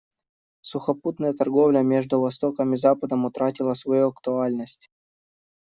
Сухопутная торговля между Востоком и Западом утратила свою актуальность.